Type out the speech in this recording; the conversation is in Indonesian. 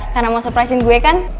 karena mau surprise in gue kan